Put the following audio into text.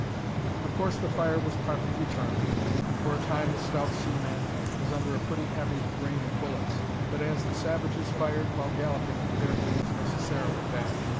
Of course the fire was partly returned, and for a time the stout seaman was under a pretty heavy rain of bullets, but as the savages fired while galloping their aim was necessarily bad.